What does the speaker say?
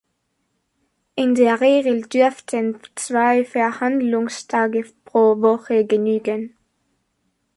In der Regel dürften zwei Verhandlungstage pro Woche genügen.